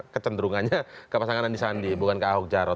kecenderungannya ke pasangan andi sandi bukan ke ahok jarot